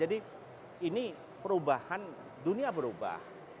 jadi ini perubahan dunia berubah